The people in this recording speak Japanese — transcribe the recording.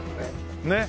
ねえ。